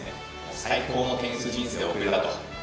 最高のテニス人生を送れたと。